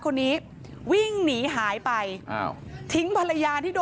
กลับมารับทราบ